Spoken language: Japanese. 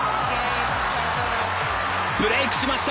ブレークしました。